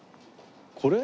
これ？